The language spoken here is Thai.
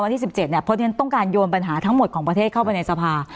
วันที่๑๗เนี่ยเพราะฉะนั้นต้องการโยนปัญหาทั้งหมดของประเทศเข้าไปในสภา